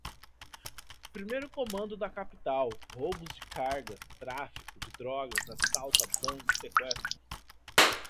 Primeiro Comando da Capital, roubos de cargas, tráfico de drogas, assaltos a bancos, sequestros